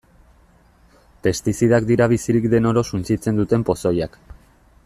Pestizidak dira bizirik den oro suntsitzen duten pozoiak.